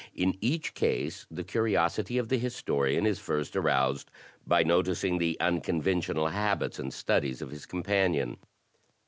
In each case the curiosity of the historian is first aroused by noticing the imconventional habits and studies of his companion.